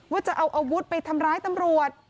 ว่าจะเอาอาวุธไปทำร้ายตำรวจ